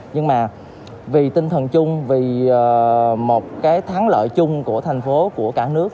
nhưng mà vì tinh thần chung vì một cái thắng lợi chung của thành phố của cả nước